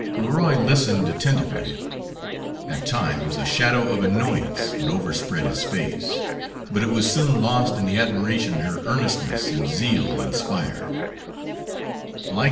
Leroy listened attentively. At times a shadow of annoyance would overspread his face, but it was soon lost in the admiration her earnestness and zeal inspired.